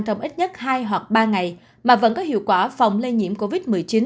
trong ít nhất hai hoặc ba ngày mà vẫn có hiệu quả phòng lây nhiễm covid một mươi chín